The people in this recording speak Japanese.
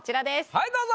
はいどうぞ。